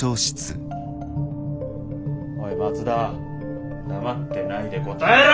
おい松田黙ってないで答えろ！